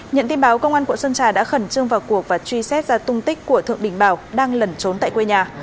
nhận tin báo công an quận sơn trà đã khẩn trương vào cuộc và truy xét ra tung tích của thượng đình bảo đang lẩn trốn tại quê nhà